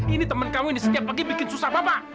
ini temen kamu ini setiap pagi bikin susah papa